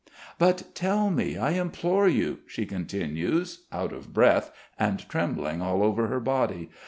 "But tell me, I implore you," she continues, out of breath and trembling all over her body.